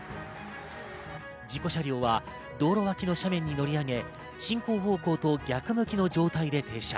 事故車両は道路脇の斜面に乗り上げ、進行方向と逆向きの状態で停車。